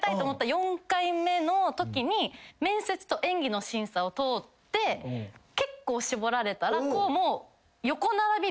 ４回目のときに面接と演技の審査を通って結構絞られたらこうもう。